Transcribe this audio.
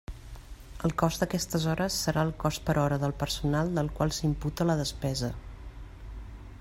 El cost d'aquestes hores serà el cost per hora del personal del qual s'imputa la despesa.